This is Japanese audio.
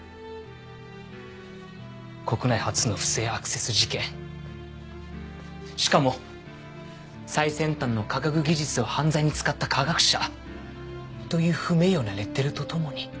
国内初の不正アクセス事件しかも最先端の科学技術を犯罪に使った科学者という不名誉なレッテルと共に。